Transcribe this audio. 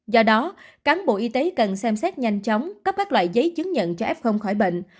do đó cán bộ y tế cần xem xét nhanh chóng cấp các loại giấy chứng nhận cho f khỏi bệnh